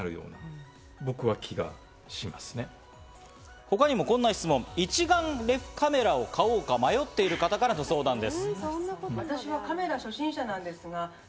他にもこんな質問、一眼レフカメラを買おうか迷っている方からの相談です。